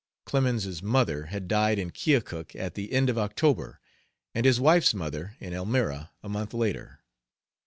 Clemens's mother had died in Keokuk at the end of October, and his wife's mother, in Elmira a month later.